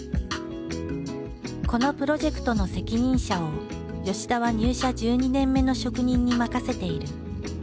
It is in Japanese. このプロジェクトの責任者を田は入社１２年目の職人に任せている。